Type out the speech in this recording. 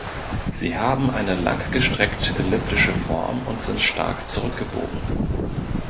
Sie haben eine langgestreckt elliptische Form und sind stark zurückgebogen.